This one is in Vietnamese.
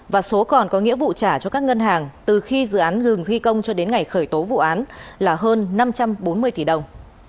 và số còn có nghĩa vụ trả cho các ngân hàng từ khi dự án ngừng thi công cho đến ngày khởi tố vụ án là hơn năm trăm bốn mươi tỷ đồng